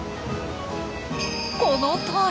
このとおり！